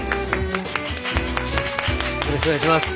よろしくお願いします。